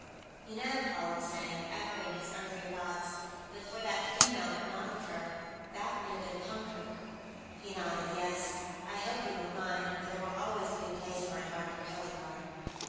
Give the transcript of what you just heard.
"You know," Paula was saying, echoing his earlier thought, "but for that female pornographer, that would have been Konkrook." He nodded. "Yes. I hope you won't mind, but there will always be a place in my heart for Hildegarde."